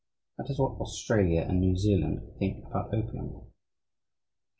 That is what Australia and New Zealand think about opium.